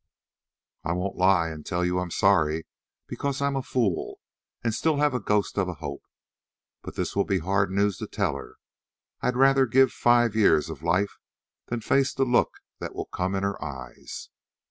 "I won't lie and tell you I'm sorry, because I'm a fool and still have a ghost of a hope, but this will be hard news to tell her, and I'd rather give five years of life than face the look that will come in her eyes."